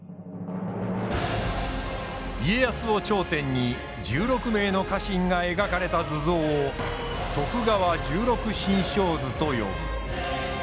家康を頂点に１６名の家臣が描かれた図像を「徳川十六神将図」と呼ぶ。